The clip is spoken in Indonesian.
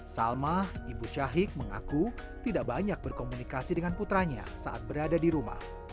salma ibu syahik mengaku tidak banyak berkomunikasi dengan putranya saat berada di rumah